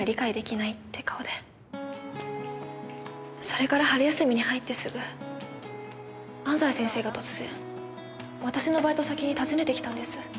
それから春休みに入ってすぐ安西先生が突然私のバイト先に訪ねてきたんです。